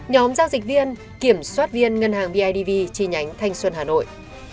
nhóm giao dịch viên kiểm soát viên ngân hàng bidv chi nhánh thanh xuân hà nội